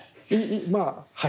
まあはい。